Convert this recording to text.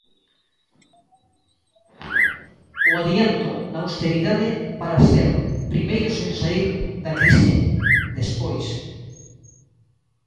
O "adianto" na austeridade para ser "primeiros" en saír da crise, despois.